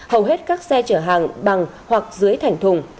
hầu hết các xe chở hàng bằng hoặc dưới thành thùng